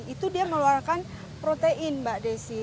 itu dia mengeluarkan protein mbak desi